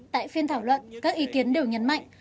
tại phiên thảo luận các ý kiến đều nhấn mạnh